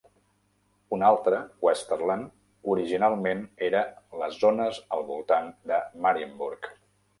Un altre, Westerland, originalment era les zones al voltant de Marienburg.